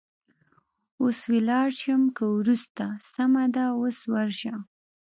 اوس ولاړه شم که وروسته؟ سمه ده، اوس ورشه.